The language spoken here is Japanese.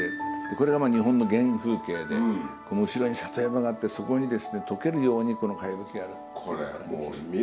これが日本の原風景でこの後ろに里山があってそこに溶けるようにこの茅葺きがある。